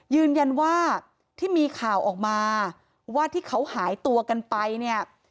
ยืนยันว่าที่มีข่าวออกมาว่าที่เขาหายตัวกันไปเนี่ย